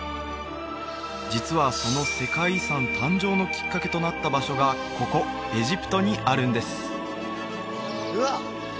実はその世界遺産誕生のきっかけとなった場所がここエジプトにあるんですうわっ